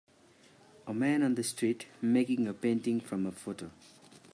A man on the street making a painting from a photo.